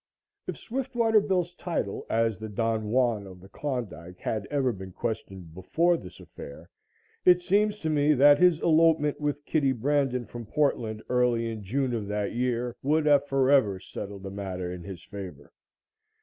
If Swiftwater Bill's title as the Don Juan of the Klondike had ever been questioned before this affair, it seems to me that his elopement with Kitty Brandon from Portland early in June of that year would have forever settled the matter in his favor.